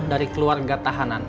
dari keluarga tahanan